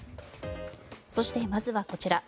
そして、まずはこちら。